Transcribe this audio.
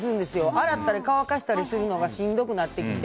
洗ったり乾かしたりするのがしんどくなってきて。